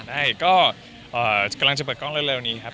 ได้ก็กำลังจะเปิดกล้องเร็วนี้ครับ